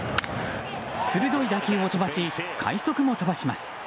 鋭い打球を飛ばし快速も飛ばします。